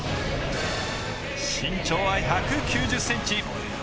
身長は１９０ｃｍ。